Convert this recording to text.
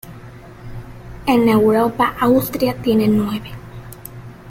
En Europa, Austria tiene nueve.